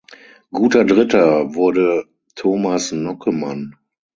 Guter Dritter wurde Thomas Nockemann.